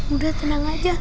udah tenang aja